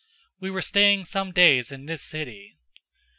We were staying some days in this city.